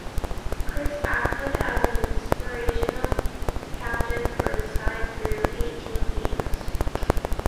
Chris acted as an inspirational captain for the side through eighteen games.